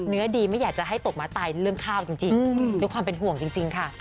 ดีไม่อยากจะให้ตกม้าตายเรื่องข้าวจริงด้วยความเป็นห่วงจริงค่ะ